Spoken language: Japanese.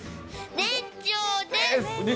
年長です。